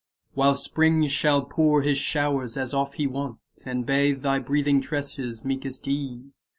40 While Spring shall pour his show'rs, as oft he wont, And bathe thy breathing tresses, meekest Eve!